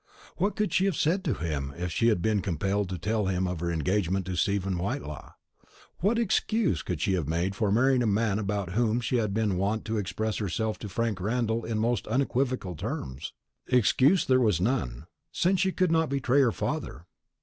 What could she have said to him if she had been compelled to tell him of her engagement to Stephen Whitelaw? What excuse could she have made for marrying a man about whom she had been wont to express herself to Frank Randall in most unequivocal terms? Excuse there was none, since she could not betray her father.